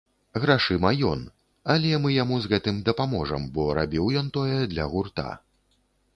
Грашыма ён, але мы яму з гэтым дапаможам, бо рабіў ён тое для гурта.